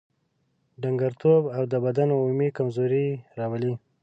ډنګرتوب او د بدن عمومي کمزوري راولي.